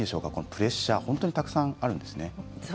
プレッシャーを本当にたくさんあるんですね。